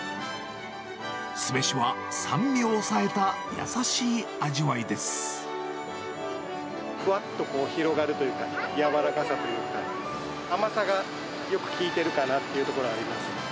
酢飯は酸味を抑えた優しい味わいふわっと広がるというか、柔らかさというか、甘さがよく効いているかなっていうところがあります。